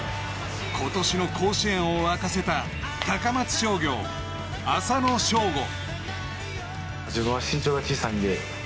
今年の甲子園を沸かせた高松商業・浅野翔吾。